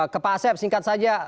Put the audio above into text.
kepa asep singkat saja